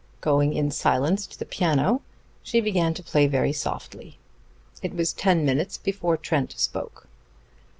Going in silence to the piano, she began to play very softly. It was ten minutes before Trent spoke.